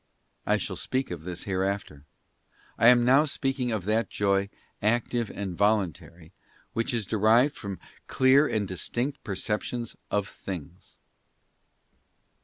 I shall speak of this hereafter. I am now speaking of that joy, active and voluntary, which is derived from clear and distinct perceptions of things.